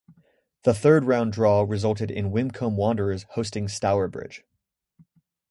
The third round draw resulted in Wycombe Wanderers hosting Stourbridge.